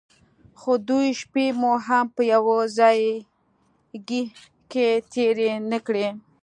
خو دوې شپې مو هم په يوه ځايگي کښې تېرې نه کړې.